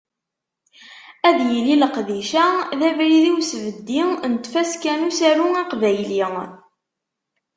Ad yili leqdic-a d abrid i usbeddi n Tfaska n usaru aqbayli.